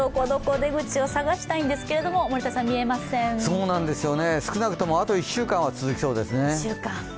出口を探したいんですけれども、少なくともあと１週間は続きそうですね。